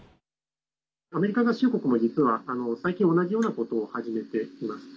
アメリカ合衆国も実は最近、同じようなことを始めています。